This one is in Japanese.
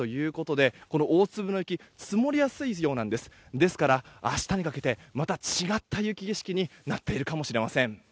ですから、明日にかけてまた違った雪景色になっているかもしれません。